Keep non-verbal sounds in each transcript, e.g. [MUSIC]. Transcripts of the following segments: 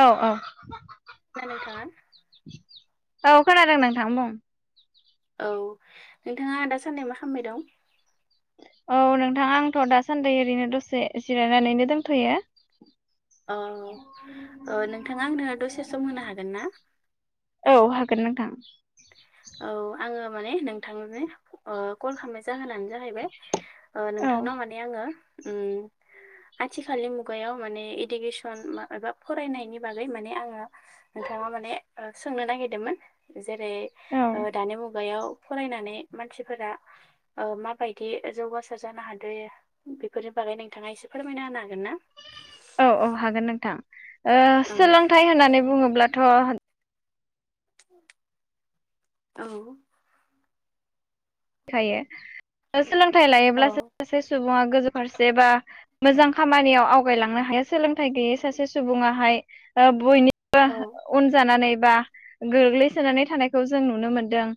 औ औ ना नोंथाङा औ खोनादों नोंथां बुं। औ नोंथाङा दासानदि मा खालामबाय दं। औ नोंथां आंथ दासान्दि ओरैनो दसे जिरायनानैनो दोनथ'यो। औ नोंथाङा आंनो दसे सम होनो हागोन ना? औ हागोन नोंथां। औ आंङो माने नोंथांनो कल खालामनाय जाहोननानै। जाहैबाय औ नोंथांनाव माने आंङो आथिखालनि मुगायाव माने इडुकेसन एबा फरायनायनि बागै माने आंङो नोथांनाव माने सोंनो नागिरदोंमोन जेरै औ दानि मुगायाव? फरायनानै मानसिफोरा ओ माबायदि जौगासार जानो हादो बेफोरो। बागै नोंथाङा इसे फोरमायना होनो हागोन ना? औ औ हागोन नोंथां ओ औ सोलोंथाइ होननानै बुंङोब्लाथ' [UNINTELLIGIBLE] औ खायो सोलोंथाइ लायोब्लासो औ सासे सुबुंङा। गोजौ फारसे बा मोजां खामानियाव आवगायलांनो हायो सोलोंथाइ गैयै सासे सुबुंङाहाय बयनिबो औ उन जानानै बा गोग्लैसोनानै थानायखौ जों नुनो मोनदों।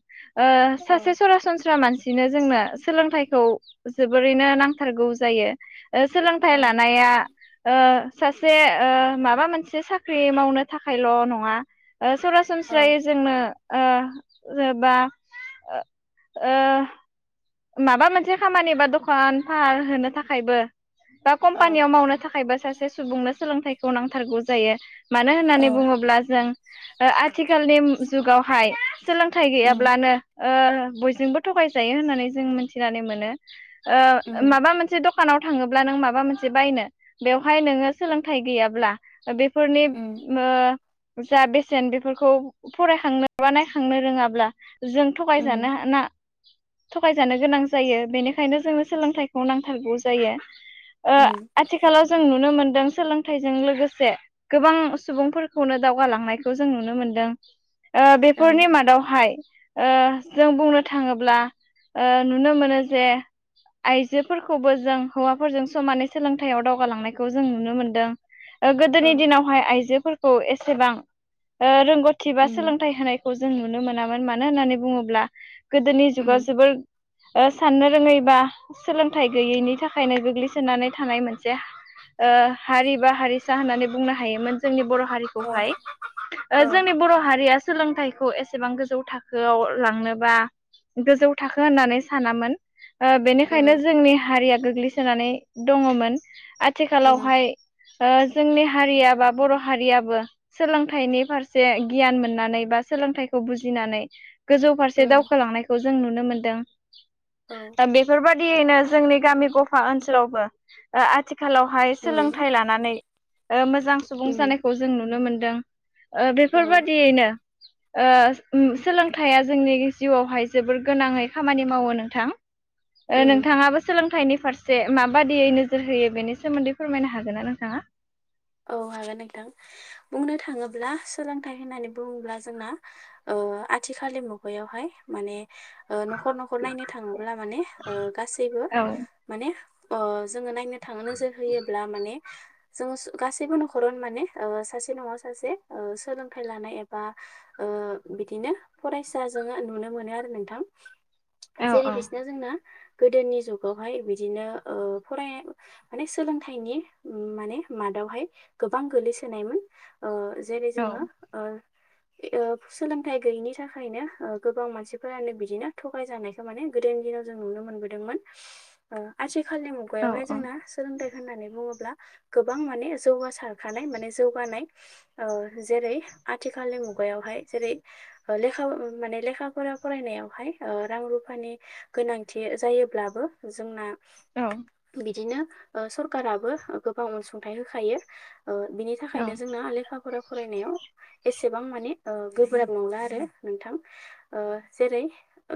ओ सासे औ सरासनस्रा। सनस्रा मानसिनो जोंनो सोलोंथाइखौ जोबोरैनो नांथारगौ जायो। सोलोंथाइ औ लानाया ओ सासे ओ माबा मोनसे साख्रि मावनो थाखायल' नंङा। ओ औ सरासनस्रायै जोंनो ओ जेनेबा ओ माबा मोनसे खामानि बा दखान फाहार होनो थाखायबो। बा औ कम्पानियाव मावनो थाखायबो सासे सुबुंनो सोलोंथाइखौ नांथारगौ जायो। मानो होननानै औ बुंङोब्ला जों आथिखालनि जुगावहाय। सोलोंथाइ उम गैयाब्लानो ओ बयजोंबो थगायजायो होननानै जों मिथिनानै मोनो। ओ उम माबा मोनसे दखा दखानाव थांङोब्ला नों माबा मोनसे बायनो बेवहाय नोंङो सोलोंथाइ गैयाब्ला। बेफोरनि उम ओ जा बेसेन बेफोरखौ फरायखांनो बा नायखांनो रोंङाब्ला। जों थगायजानो उम ह ना ना। थगायजानो गोनां जायो बेनिखायनो जोंनो सोलोंथाइखौ नांथारगौ जायो। ओ उम आथिखालाव। जों नुनो मोनदों सोलोंथाइजों लोगोसे गोबां सुबुंफोरखौनो दावगालांनायखौ जों नुनो मोन। दों ओ औ बेफोरनि मादावहाय ओ जों बुंनो थांङोब्ला। ओ नुनो मोनो जे। आइजोफोरखौबो जों हौवाफोरजों समानै सोलोंथाइयाव दावगालांनायखौ जों नुनो मोनदों। औ गोदोनि दिनावहाय आइजोफोरखौ एसेबां रोंगौथि बा उम सोलोंथाइ होनाय जों नुनो मोनामोन मानो होननानै बुंङोब्ला गोदोनि जुगाव। उम जोबोर साननो रोङैबा सोलोंथाइ गैयैनि थाखायनो गोग्लैसोनानै थानाय मोनसे हा ओ हारि बा हारिसा होननानै बुंनो हायोमोन जोंनि बर'। औ हारिखौहाय औ जोंनि बर' हारिया सोलोंथाइखौ एसेबां गोजौ थाखोआव लांनोबा गोजौ थाखो होननानै सानामोन ओ बेनिखायनो उम जोंनि हारिया। गोग्लैसोनानै दंङमोन उम आथिखालावहाय। ओ जोंनि हारिया बा बर हारियाबो सोलोंथाइनि फारसे गियान मोननानै बा सोलोंथाइखौ बुजिनानै। गोजौ फारसे उम दावखोलांनायखौ जों नुनो मोनदों औ दा बेफोरबायदि। बायदियैनो जोंनि गामि गफा ओनसोलावबो आथिखालावहाय उम सोलोंथाइ लानानै मोजां सुबुं उम जानायखौ जों नुनो मोनदों औ बेफोर बायदियैनो। सोलोंथाइया जोंनि जिउआवहाय जोबोर गोनाङै। खामानि मावो नोंथां उम नोंथाङाबो सोलोंथाइनि फारसे माबादियै नोजोर होयो बेनि सोमोन्दै फोरमायनो हागोनना नोंथाङा। औ हागोन नोंथां बुंनो थाङोब्ला सोलोंथाइ होननानै बुङोब्ला जोंना औ। आथिखालनि मुगायावहाय माने। न'खर न'खर नायनो थाङोब्ला माने गासैबो औ माने। जोङो नायनो थाङो नोजोर होयोब्ला माने जोङो। गासैबो न'खराव माने सासे न'आव सासे सोलोंथाइ लानाय एबा बिदिनो फरायसाजों नुनो मोनो आरो नोंथां औ जेरै औ बिसना जोंना गोदोनि जुगावहाय बिदिनो फराय माने सोलोंथाइनि माने मादावहाय गोबां गोलैसोनायमोन जेरै औ जोङो सोलोंथाइ गैयिनि थाखायनो गोबां मानसिफोरानो बिदिनो थगायजानायखौ माने गोदोनि दिनाव जों नुनो मोनबोदोंमोन आथिखालनि औ मुगायावहाय जोंना सोलोंथाइ होननानै बुङोब्ला गोबां माने जौगासारखानाय माने जौगानाय जेरै आथिखालनि मुगायावहाय। जेरै लेखाफोरा फरायनायावहाय रां रुफानि गोनांथि। जायोब्लाबो जोंना। औ बिदिनो सरखाराबो गोबां अनसुंथाइ होखायो। बिनि औ थाखायनो जोंना लेखाफोरा फरायनायाव एसे। एसेबां माने गोब्राब नंला आरो नोंथां जेरै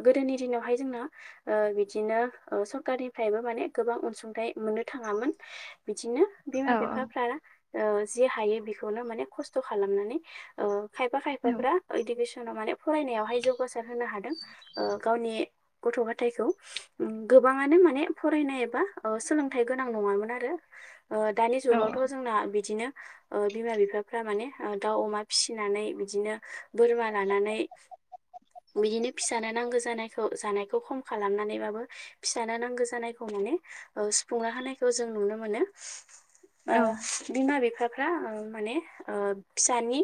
गोदोनि दिनावहाय जों जोंना बिदिनो सरखारनिफ्रायबो माने गोबां अनसुंथाइ मोननो थाङामोन बिदिनो। बिमा औ बिफाफ्रा जि हायो बेखौनो माने खस्थ' खालामनानै खायफा खायफाफ्रा फरायनायावहाय जौगासार होनो हादों गावनि गथ' गथायखौ गोबाङानो माने फरायनाय एबा सोलोंथाइ गोनां नङामोन आरो। दानि औ जुगावथ' जोंना बिदिनो बिमा बिफाफ्रा माने दाउ अमा फिसिनानै बिदिनो बोरमा लानानै बिदिनो फिसानो नांगौ जानायखौ जानायखौ खम खालामनानैबाबो फिसानो नांगौ जानायखौ सुंफुंना होननायखौ जों नुनो मोनो बिमा बिठा माने फिसानि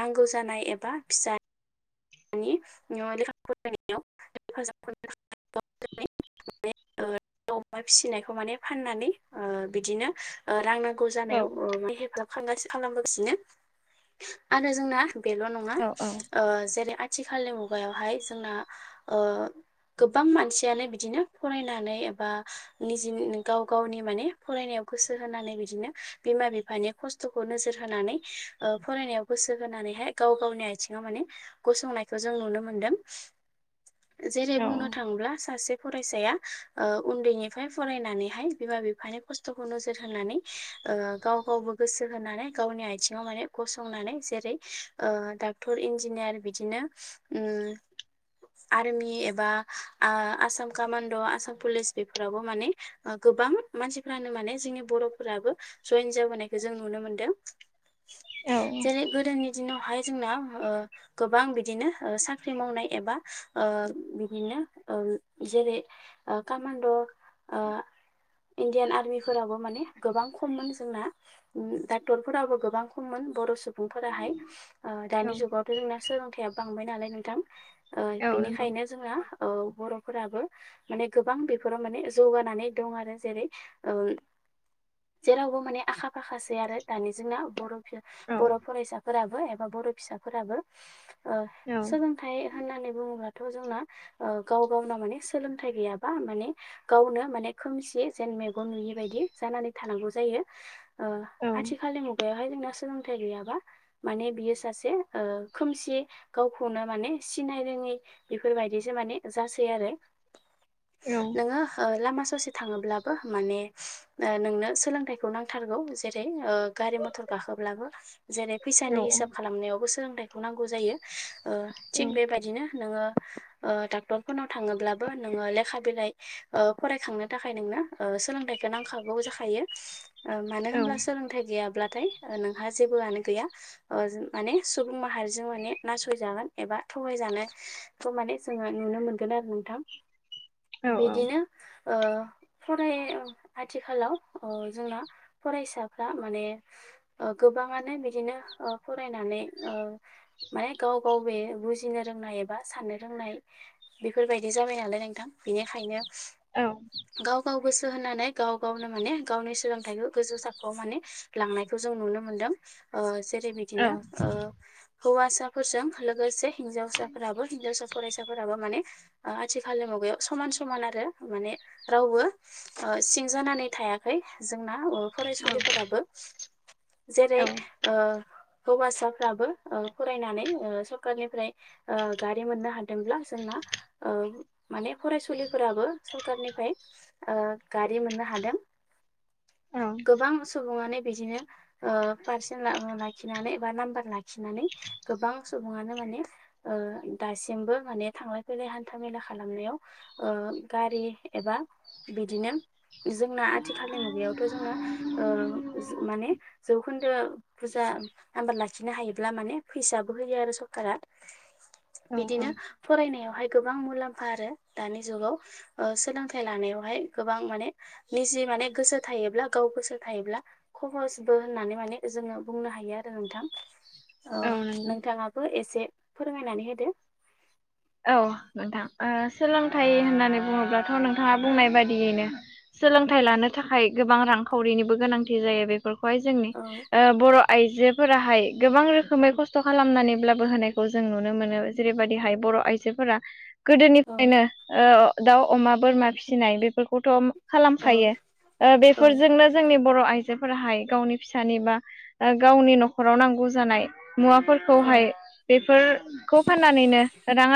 नांगौ जानाय एबा फिसा [INAUDIBLE] माने दा अमा फिसिनायखौ माने फाननानै बिदिनो रां नांगौ। जानायाव हेफाजाब खालामगासिनो आरो जोंना बेल' नङा औ जेरै आथिखालनि मुगायावहाय जोंना गोबां मानसियानो बिदिनो फरायनानै एबा निजेनो गाव गावनि माने फरायनायाव। गोसो होनानै बिदिनो बिमा बिफानि खस्थ'खौ नोजोर होनानै फरायनायाव गोसो होनानै मानेहाय गाव गावनि आथिङाव माने गसंनायखौ जों नुनो मोनदों जेरै औ बुंनो थाङोब्ला सासे फरायसाया उन्दैनिफ्राय फरायनानैहाय बिमा बिफानि खस्थ'खौ नोजोर होनानै गाव गावबो गोसो होनानै गावनि आथिङाव माने गसंनानै जेरै डाक्टर इन्जिनियार बिदिनो। आरमि एबा आसाम कामान्ड' आसाम पुलिस बेफोरावबो माने गोबां मानसिफ्रानो माने जोंनि बर'फोराबो जयेन जाबोनायखौ जों नुनो मोनदों। जेरै गोदोनि दिनावहाय जोंना गोबां बिदिनो साख्रि मावनाय एबा बिदिनो जेरै ओं कामान्ड' ओं। इण्डियान आर्मिफोराबो माने गोबां खममोन जोंना डाक्टरफोराबो गोबां खममोन। बर' सुबुंफोराहाय दानि जुगावथ' जोंना सोलोंथाइया बांबाय नालाय नोंथां। अ औ नंगौ बिनिखायनो जोङो बर' फोराबो माने गोबां बेफोराव माने जौगानानै दं आरो जेरै अ जेरावबो माने आखा फाखासै आरो दानि जोंना बर' औ बर' फरायसाफोराबो एबा बर' फिसाफोराबो अ औ सोलोंथाइ होननानै बुङोब्ला थ जोंना गाव गावनाव माने सोलोंथाइ गैयाबा माने गावनो माने खोमसि जेन मेगन नुयि बायदि जानानै थानांगौ जायो। ओ औ आथिखालनि मुगायावहाय जोंना सोलोंथाइ गैयाबा माने बियो सासे ओ खोमसि गावखौनो माने सिनाय रोङै बेफोरबायदिसो माने जासै आरो। औ नोंङो ओ लामा ससे थांङोब्लाबो माने ओ नोंनो सोलोंथाइखौ नांथारगौ जेरै ओ गारि मथर गाखोब्लाबो जेरै औ फैसानि हिसाब खालामनायावबो सोलोंथाइखौ नांगौ जायो ओ थिग बेबायदिनो नोंङो ओ डाक्टरफोरनाव थाङोब्लाबो नोंङो लेखा बिलाइ फरायखांनो थाखाय नोंङो ङो ओ सोलोंथाइखौ नांखागौ जाखायो। ओ मानो औ होनब्ला सोलोंथाइ गैयाब्लाथाय नोंहा जेबोआनो गैया ओ माने सुबुं माहारिजों माने नासयजागोन एबा थगायजानायखौ माने जोङो नुनो मोनगोन आरो नोंथां। औ बिदिनो ओ फराय आथिखालाव ओ जोंना फरायसाफ्रा माने ओ गोबाङानो बिदिनो ओ फरायनानै ओ माने गाव गाव बे बुजिनो रोंनाय एबा साननो रोंनाय बेफोरबायदि जाबाय नालाय नोंथां बेनिखायनो औ। गाव गाव गोसो होनानै गाव गावनो माने गावनि सोलोंथाइखौ गोजौ साखोआव माने लांनायखौ जों नुनो मोन्दों अ जेरै बिदिनो ओ हौवासाफोरजों लोगोसे हिनजावसाफोराबो हिनजावसा फरायसाफोराबो माने ओ आथिखालनि मुगायाव समान समान आरो माने रावबो सिं जानानै थायाखै। जोंना ओ फरायसुलिफोराबो जेरै ओ हौवासाफ्राबो ओ फरायनानै ओ सरखारनिफ्राय गारि मोननो हादोंब्ला जोंना ओ माने फरायसुलिफोराबो सरखारनिफ्राय ओ गारि मोननो हादों। गोबां सुबुंङानो बिदिनो ओ पारसेन्ट लाबो लाखि खिनानै एबा नाम्बार लाखिनानै गोबां सुबुंङानो माने ओ दासिमबो माने था थांलाय फैलाय हान्था मेला खालामनायाव ओ गारि एबा बिदिनो जोंना आथिखालनि मुगायावथ' जोंना ओ माने जौखोन्दो बुजा नाम्बार लाखिनो हायोब्ला माने फैसाबो होयो आरो सरखारा। औ बिदिनो औ फरायनायाव हाय गोबां मुलामफा आरो दानि जुगाव ओ सोलोंथाय लानायावहाय गोबां माने लि जि माने गोसो थायोब्ला गाव गोसो थायोब्ला खहसबो होननानै माने जोङो बुंनो हायो आरो। नोंथां ओ औ नंगौ नोंथाङाबो एसे फोरमायनानै होदो। औ नोंथां ओ सोलोंथाइ होननानै बुंङोब्लाथ' नोंथांङा बुंनाय बायदियैनो सोलोंथाइ लानो थाखाय गोबां रांखावरिनिबो गोनांथि जायो बेफोरखौहाय जोंनि औ ओ बर' आइजोफोराहाय गोबां रोखोमै खस्थ' खालामनानैब्लाबो होनायखौ जों नुनो मोनो जेरैबादिहाय बर' आइजोफोरा औ गोदोनिफ्रायनो ओ दाउ अमा बोरमा फिसिनाय बेफोरखौथ' औ खालामखायो ओ औ बेफोरजोंनो जोंनि बर' आइजोफोराहाय गावनि फिसानि बा ओ गावनि न'खराव नांगौ जानाय मुवाफोरखौहाय बेफोरखौ फाननानैनो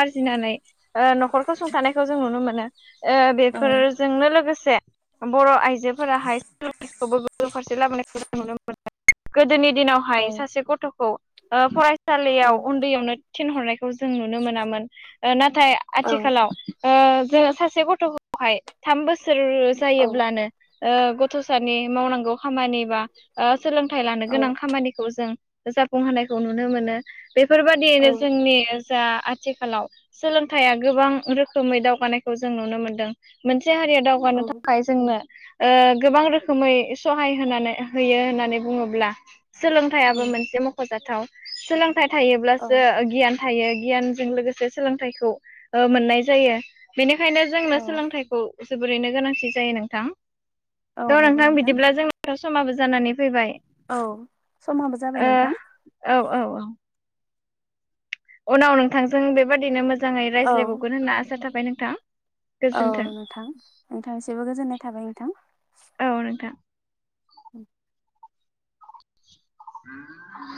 फिसिनानै ओ न'खरखौ सुंथानायखौ जों नुनो मोनो ओ औ बेफोरजोंनो लोगोसे से बर' आइजोफोराहाय सोलोंनायखौबो [UNINTELLIGIBLE] गोदोनि दिनावहाय औ सासे गथ'खौ ओ औ फरायसालियाव उन्दैयावनो थिनहरनाय खौ जों नुनो मोना ओ नाथाय औ आथिखालाव ओ जोङो सासे गथ'खौहाय थाम बो सोर औ जायोब्लानो ओ गथ' सानि मावनांगौ खामानि बा ओ सोलोंथाइ लानो औ गोनां खामानिखौ जों जाफुंहोनायखौ नुनो मोनो। बेफोरबादियैनो जोंनि जा आ आथिखालाव सोलोंथाइया गोबां रोखोमै दावगानायखौ जों नुनो मोनदों। मोनसे हारिया दावगानो थाखाय जोंनो ओ गोबां रोखोमै सहाय होनानै होयो होननानै बुङोब्ला औ सोलोंथाइयाबो मोनसे मख'जाथाव। सोलोंथाइ थायोब्लासो गियान थायो गियान जों लोगोसे सोलोंथाइखौ ओ मोननाय जायो बेनिखायनो जोंनो औ सोलोंथाइखौ जोबोरैनो गोनांथि जायो नोंथां औ थ' नंगौ नोंथां बिदिब्ला जोंना समाबो जानानै फैबाय औ समाबो जाबाय ओ नोंथां औ - औ - औ। उनाव नोंथांजों बेबादिनो मोजाङै औ रायज्लायबावगोन होनना आसा थाबाय नोंथां। औ गोजोन्थों नोंथां नोंथांसेबो गोजोननाय थाबाय नोंथां। औ नोंथां औ। [UNINTELLIGIBLE]